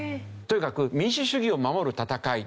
とにかく民主主義を守る戦い。